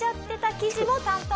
記事も担当。